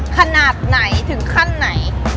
ขนาดไหนถึงขั้นไหน